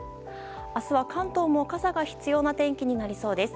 明日は、関東も傘が必要な天気になりそうです。